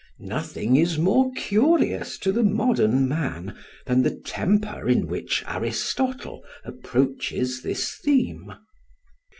Nothing is more curious to the modern man than the temper in which Aristotle approaches this theme.